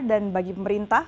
dan bagi pemerintah